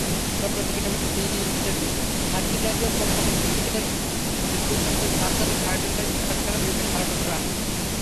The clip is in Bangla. চট্টগ্রামে ডিএপি ফার্টিলাইজার কোম্পানি, সিলেটের ফেঞ্চুগঞ্জের শাহজালাল ফার্টিলাইজার কারখানার পরিবেশ ছাড়পত্র আছে।